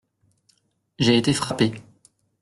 J’ai été frappé.